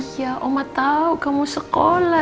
iya oma tahu kamu sekolah